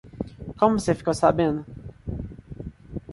Como você ficou sabendo?